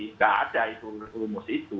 tidak ada rumus itu